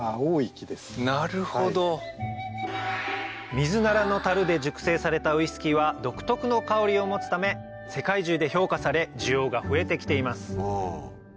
ミズナラの樽で熟成されたウイスキーは独特の香りを持つため世界中で評価され需要が増えてきています